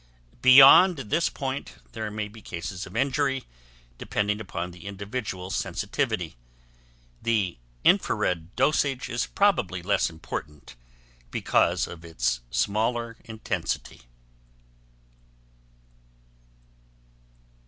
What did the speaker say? Beyond this point there may be cases of injury, depending upon the individual sensitivity. The infra red dosage is probably less important because of its smaller intensity.